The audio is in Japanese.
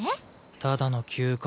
ただの休暇。